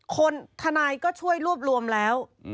ทนายก็ช่วยรวบรวมแล้ว